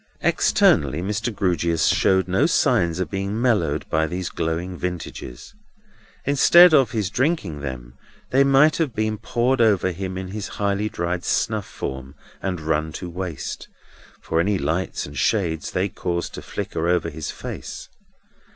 Externally, Mr. Grewgious showed no signs of being mellowed by these glowing vintages. Instead of his drinking them, they might have been poured over him in his high dried snuff form, and run to waste, for any lights and shades they caused to flicker over his face.